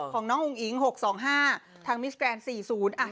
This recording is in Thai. ของน้องอุ้งอิงหกสองห้าทางมิสแครนซ์สี่ศูนย์